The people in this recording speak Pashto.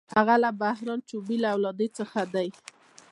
هغه د بهرام چوبین له اولادې څخه دی.